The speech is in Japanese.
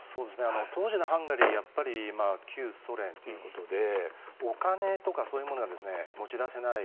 当時のハンガリー旧ソ連ということでお金とかそういうものが持ち出せない。